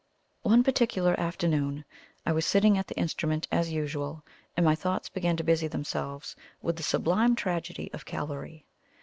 One particular afternoon, I was sitting at the instrument as usual, and my thoughts began to busy themselves with the sublime tragedy of Calvary.